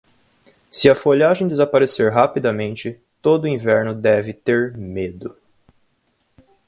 Se a folhagem desaparecer rapidamente, todo inverno deve ter medo.